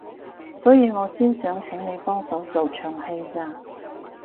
所以我先想請你幫手做場戲咋